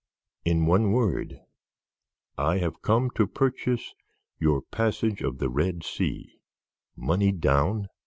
In one word, I have come to purchase your 'Passage of the Red Sea.'" "Money down?"